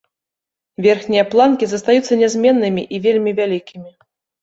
Верхнія планкі застаюцца нязменнымі і вельмі вялікімі.